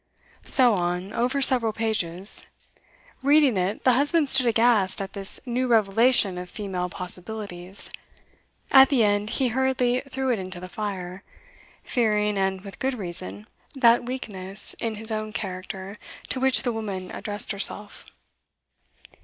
So on, over several pages. Reading it, the husband stood aghast at this new revelation of female possibilities; at the end, he hurriedly threw it into the fire, fearing, and with good reason, that weakness in his own character to which the woman addressed herself.